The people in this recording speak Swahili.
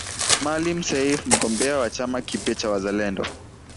Maalim Seif mgombea wa chama kipya cha Wazalendo